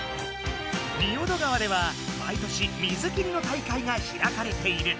仁淀川では毎年水切りの大会がひらかれている。